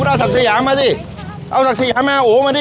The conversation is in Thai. คุณเอาศักขยะมาซิเอาศักขยะมาโหมาดิ